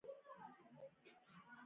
د شیرزاد ولسوالۍ سړه ده